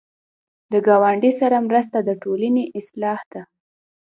د ګاونډي سره مرسته د ټولنې اصلاح ده